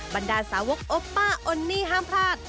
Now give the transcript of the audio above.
บรรดาสาวกโอปป้าอนนี่ห้ามพลาด